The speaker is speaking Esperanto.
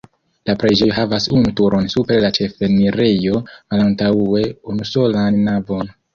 La preĝejo havas unu turon super la ĉefenirejo, malantaŭe unusolan navon.